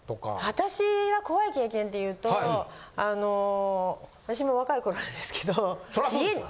私は怖い経験っていうと私も若い頃なんですけど。